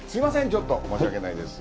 ちょっと申し訳ないです。